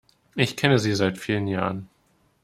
Ich kenne sie seit vielen Jahren.